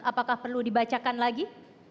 apakah perlu dibacakan lagi